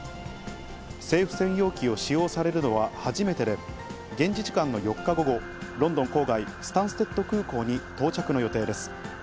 政府専用機を使用されるのは初めてで、現地時間の４日午後、ロンドン郊外、スタンステッド空港に到着の予定です。